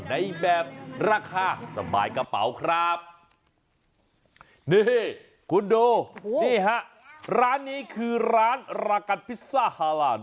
ในแบบราคาสบายกระเป๋าครับนี่คุณดูนี่ฮะร้านนี้คือร้านรากันพิซซ่าฮาลาน